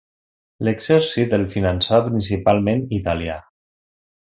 L'exèrcit el finançava principalment Itàlia.